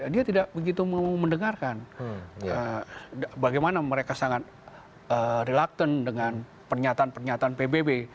dia tidak begitu mendengarkan bagaimana mereka sangat reluctant dengan pernyataan pernyataan pbb